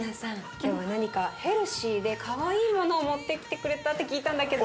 今日は何かヘルシーでかわいいものを持ってきてくれたって聞いたんだけど。